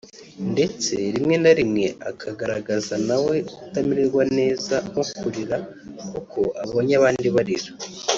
ndetse rimwe na rimwe akagaragaza nawe kutamererwa neza nko kurira kuko abonye abandi barira